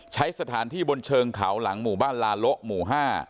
ใช้สถานที่บนเชิงเขาหลังหมู่บ้านลาโละหมู่๕